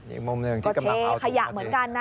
อีกมุมหนึ่งที่กำลังเอาถุงตัวเทขยะเหมือนกันนะ